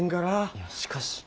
いやしかし。